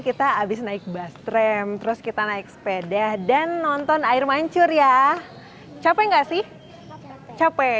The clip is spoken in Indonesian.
kita habis naik bus tram terus kita naik sepeda dan nonton air mancur ya capek nggak sih capek